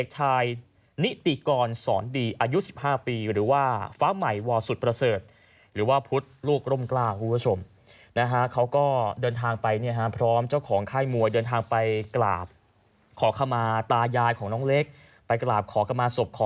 ตัวเขาเองจะบวชด้วยนะเพื่ออุทิศส่วนกระสนให้กับคู่ชกของเขาในครั้งนี้นะครับ